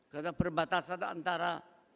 karena perbatasan antara